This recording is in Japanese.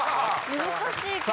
難しいけど。